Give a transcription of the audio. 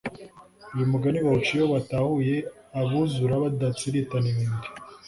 uyu mugani bawuca iyo batahuye abuzura badatsiritana imibiri